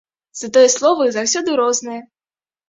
Затое словы заўсёды розныя.